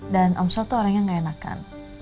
dan om sal tuh orang yang gak enakan